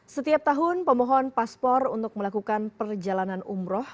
setiap tahun pemohon paspor untuk melakukan perjalanan umroh